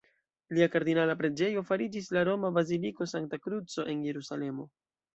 Lia kardinala preĝejo fariĝis la roma Baziliko Sankta Kruco en Jerusalemo.